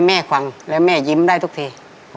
ให้แม่ฟังแล้วแม่ยิ้มได้ทุกที